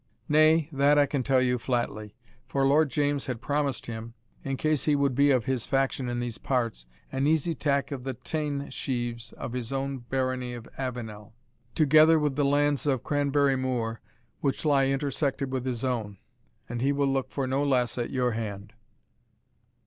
"Nay, that I can tell you flatly; for Lord James had promised him, in case he would be of his faction in these parts, an easy tack of the teindsheaves of his own Barony of Avenel, together with the lands of Cranberry moor, which lie intersected with his own. And he will look for no less at your hand."